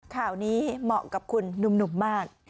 ข่าวนี้เหมาะกับคุณหนุ่มมาก